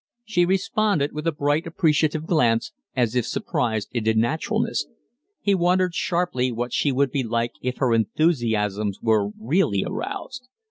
She responded with a bright, appreciative glance, as if surprised into naturalness. He wondered sharply what she would be like if her enthusiasms were really aroused.